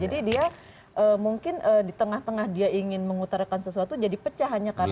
jadi dia mungkin di tengah tengah dia ingin mengutarkan sesuatu jadi pecah hanya karena